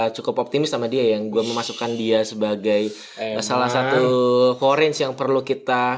cukup optimis sama dia yang gue memasukkan dia sebagai salah satu orange yang perlu kita